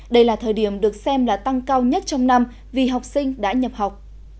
đây là thời điểm được xem là tăng cao nhất trong năm vì học sinh đã nhập học